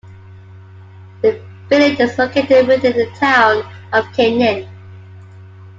The village is located within the Town of Kennan.